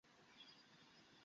আমি কিছু একটা চুরি করেছি।